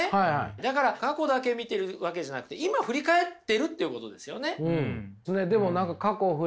だから過去だけ見てるわけじゃなくて今振り返ってるっていうことですよね。